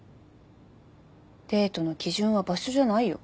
デートの基準は場所じゃないよ。